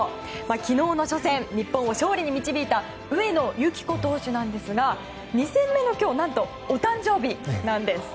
昨日の初戦日本を勝利に導いた上野由岐子投手なんですが２戦目の今日お誕生日なんです。